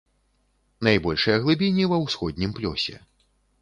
Найбольшыя глыбіні ва ўсходнім плёсе.